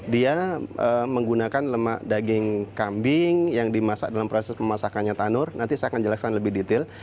dia menggunakan lemak daging kambing yang dimasak dalam proses pemasakannya tanur nanti saya akan jelaskan lebih detail